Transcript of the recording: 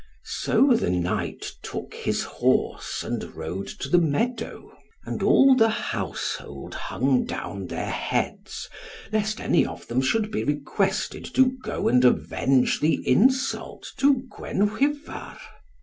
So the knight took his horse, and rode to the meadow. And all the household hung down their heads, lest any of them should be requested to go and avenge the insult to Gwenhwyvar.